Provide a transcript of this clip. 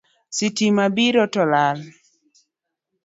Sitima biro to lal